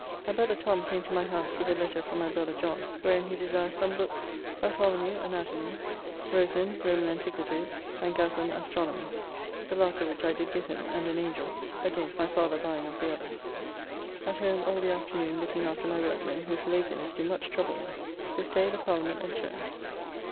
My brother Tom came to my house with a letter from my brother John, wherein he desires some books: Barthol. Anatom., Rosin. Rom. Antiq., and Gassend. Astronom., the last of which I did give him, and an angel [A gold coin varying in value at different times from 6s. 8d. to 10s.] against my father buying of the others. At home all the afternoon looking after my workmen, whose laziness do much trouble me. This day the Parliament adjourned.